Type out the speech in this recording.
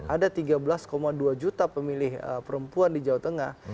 ada tiga belas dua juta pemilih perempuan di jawa tengah